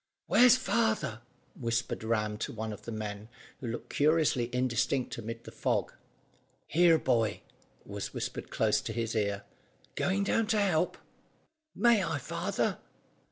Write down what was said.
"Where's father?" whispered Ram to one of the men, who looked curiously indistinct amid the fog. "Here, boy," was whispered close to his ear. "Going down to help?" "May I, father?"